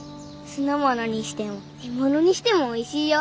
酢の物にしても煮物にしてもおいしいよ！